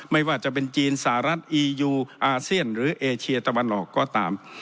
ไม่ว่าจะเป็นจีนสหรัฐอียูอาเซียนหรือเอเชียตะวันออกก็ตาม